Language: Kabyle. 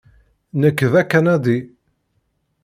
Nekk d Akanadi.